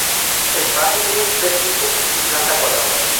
El palacio tiene tres pisos y planta cuadrada.